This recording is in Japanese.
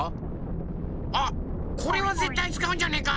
あっこれはぜったいつかうんじゃねえか？